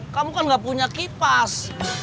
kamu kan gak punya kipas